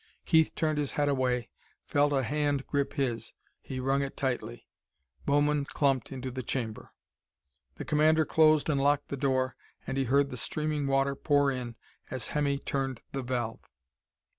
Keith turned his head away, felt a hand grip his. He wrung it tightly.... Bowman clumped into the chamber. The commander closed and locked the door, and he heard the streaming water pour in as Hemmy turned the valve.